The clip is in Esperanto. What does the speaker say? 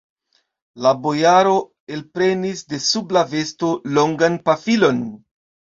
La bojaro elprenis de sub la vesto longan pafilon.